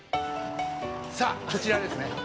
「さあこちらですね」